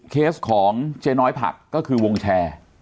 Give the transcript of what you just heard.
เคสของเจ๊น้อยผักก็คือวงแชร์